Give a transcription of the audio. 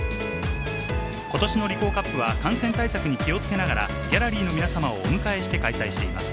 今年のリコーカップは感染対策に気を付けながらギャラリーの皆様をお迎えして開催しています。